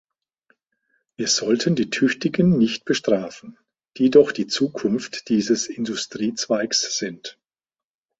Wir sollten die Tüchtigen nicht bestrafen, die doch die Zukunft dieses Industriezweigs sind.